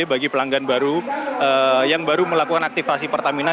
bagi pelanggan baru yang baru melakukan aktifasi pertamina